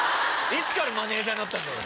いつからマネジャーになったんだよ！